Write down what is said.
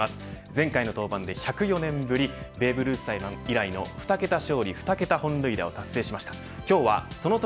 前回の登板で、１０４年ぶりベーブルースさん以来の２桁勝利２桁本塁打を達成しました。